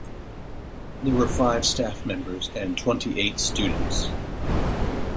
There were five staff members and twenty-eight students.